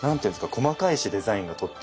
細かいしデザインがとっても。